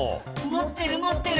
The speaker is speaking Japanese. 持ってる持ってる。